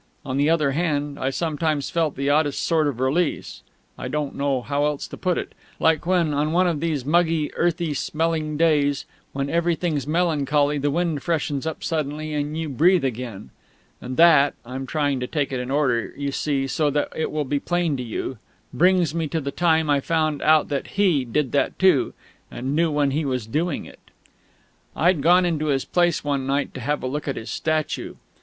On the other hand, I sometimes felt the oddest sort of release (I don't know how else to put it) ... like when, on one of these muggy, earthy smelling days, when everything's melancholy, the wind freshens up suddenly and you breathe again. And that (I'm trying to take it in order, you see, so that it will be plain to you) brings me to the time I found out that he did that too, and knew when he was doing it. I'd gone into his place one night to have a look at his statue.